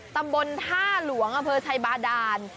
ตำบลท่าหลวงอำเภอชัยบาดาน